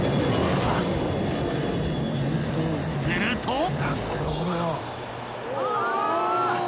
［すると］